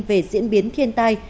về diễn biến thiên tai